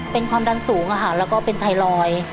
เป็นความดันสูงแล้วก็เป็นไทรอยด์